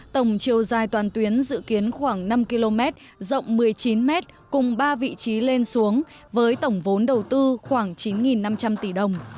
tổng chiều dài toàn tuyến dự kiến khoảng năm km rộng một mươi chín m cùng ba vị trí lên xuống với tổng vốn đầu tư khoảng chín năm trăm linh tỷ đồng